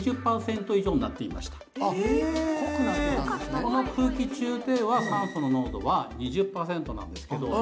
この空気中では酸素の濃度は２０％なんですけど。